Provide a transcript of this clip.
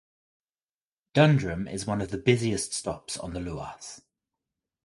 Dundrum is one of the busiest stops on the Luas.